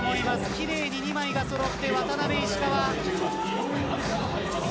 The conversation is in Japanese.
奇麗に２枚がそろって渡邊、石川。